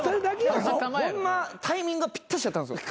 ホンマタイミングがぴったしだったんですよ。